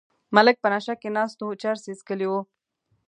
ملک په نشه کې ناست و چرس یې څکلي وو.